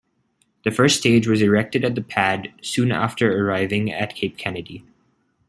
The first stage was erected at the pad soon after arriving at Cape Kennedy.